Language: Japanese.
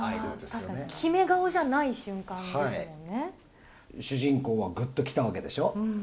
確かに決め顔じゃない瞬間で主人公はぐっときたわけでしょ。